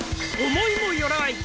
思いもよらない